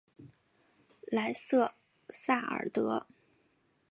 莱瑟萨尔德。